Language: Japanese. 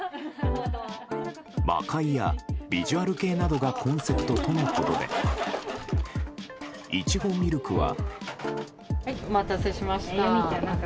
魔界やビジュアル系などがコンセプトとのことでいちごミルクは。